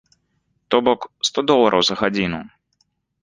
То бок сто долараў за гадзіну!